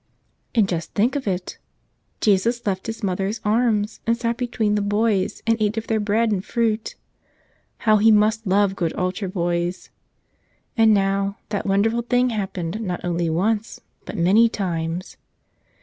And just think of it! Jesus left His Mother's arms and sat between the boys and ate of their bread and fruit. How He must love good altar boys ! And now, that wonderful thing happened not only once, but many times.